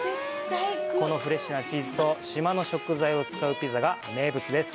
このフレッシュなチーズと島の食材を使うピザが名物です。